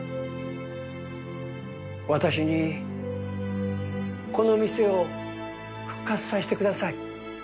私にこの店を復活させてください。